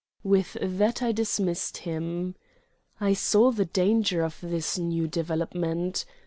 With that I dismissed him. I saw the danger of this new development.